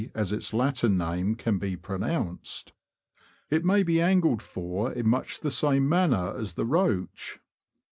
as its Latin name can be pronounced. It may be angled for in much the same manner as the roach.